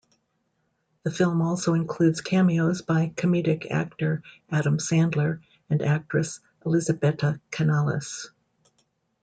The film also includes cameos by comedic actor Adam Sandler and actress Elisabetta Canalis.